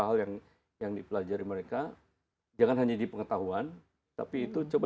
hal yang dipelajari mereka jangan hanya di pengetahuan tapi itu coba